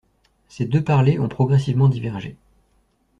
Ces deux parlers ont progressivement divergé.